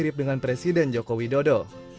mirip dengan presiden jokowi dodo